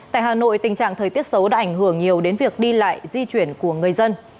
tại hà nội tình trạng thời tiết xấu đã ảnh hưởng nhiều đến việc đi lại di chuyển của người dân